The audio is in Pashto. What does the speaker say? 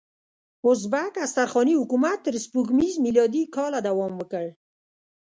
ازبک استرخاني حکومت تر سپوږمیز میلادي کاله دوام وکړ.